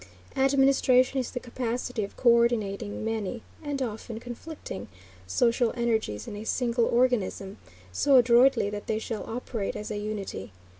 Administration is the capacity of coördinating many, and often conflicting, social energies in a single organism, so adroitly that they shall operate as a unity.